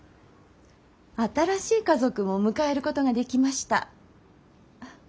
新しい家族も迎えることができました。